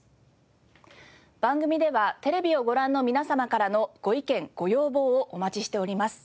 番組ではテレビをご覧の皆様からのご意見ご要望をお待ちしております。